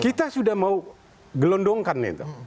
kita sudah mau gelondongkan itu